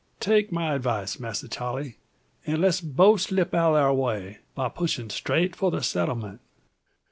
Take my advice, Masser Charle, an' let's both slip out o' thar way, by pushin' straight for the settlement."